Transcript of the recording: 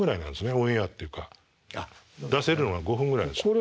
オンエアっていうか出せるのが５分ぐらいでしょ。